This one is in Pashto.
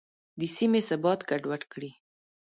د سیمې ثبات ګډوډ کړي.